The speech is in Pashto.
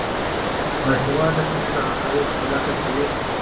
باسواده ښځې د حقایقو په لټه کې وي.